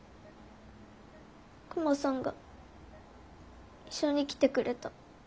クマさんが一緒に来てくれた。